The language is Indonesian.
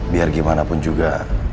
biar gimana pun juga